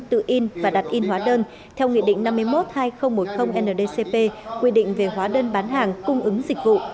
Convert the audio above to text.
tự in và đặt in hóa đơn theo nghị định năm mươi một hai nghìn một mươi ndcp quy định về hóa đơn bán hàng cung ứng dịch vụ